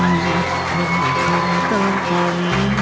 เพื่อให้คุณเติมขึ้น